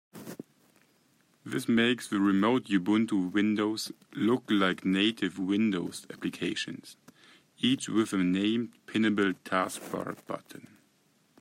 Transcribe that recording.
This makes the remote Ubuntu windows look like native Windows applications, each with a named pinnable taskbar button.